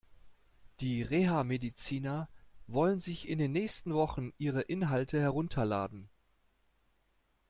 Die Reha-Mediziner wollen sich in den nächsten Wochen ihre Inhalte herunterladen.